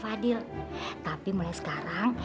tama yang ingati semua orang